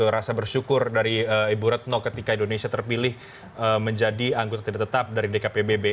rasa bersyukur dari ibu retno ketika indonesia terpilih menjadi anggota tidak tetap dari dkpbb